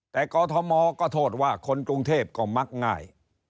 แต่กอทมก็โทษว่าคนกรุงเทพก็มักง่าย